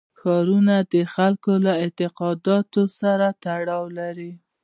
ښارونه د خلکو له اعتقاداتو سره تړاو لري.